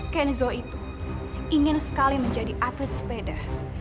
kenzo itu ingin sekali menjadi atlet sepeda